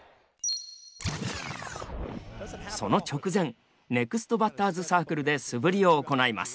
その直前ネクストバッターズサークルで素振りを行います。